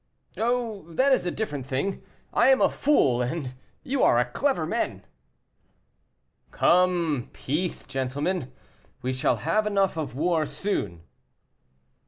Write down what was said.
'" "Oh! that is a different thing; I am a fool, and you are clever men." "Come, peace, gentlemen; we shall have enough of war soon."